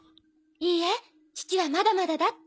いいえ父はまだまだだって。